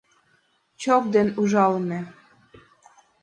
Чок ден ужалыме.